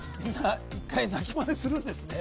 １回鳴きマネするんですね